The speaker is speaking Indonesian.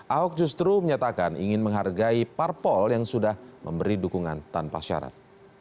ahok justru menyatakan ingin menghargai parpol yang sudah memberi dukungan tanpa syarat